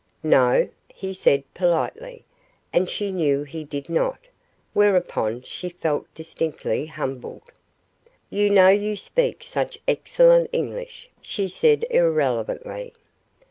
"No?" he said politely, and she knew he did not whereupon she felt distinctly humbled. "You know you speak such excellent English," she said irrelevantly.